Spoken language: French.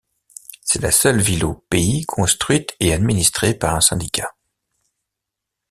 C’est la seule ville au pays construite et administrée par un syndicat.